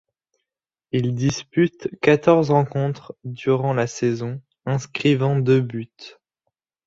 Il dispute quatorze rencontres durant la saison, inscrivant deux buts.